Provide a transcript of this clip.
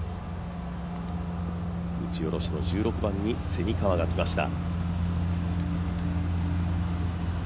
打ち下ろしの１６番に蝉川が来ました。